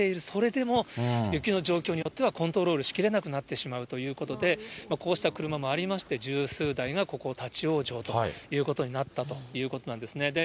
それでも雪の状況によってはコントロールしきれなくなってしまうということで、こうした車もありまして、十数台がここ立往生ということになったということなんですね。